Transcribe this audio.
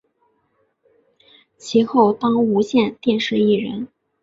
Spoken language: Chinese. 其后当无线电视艺人。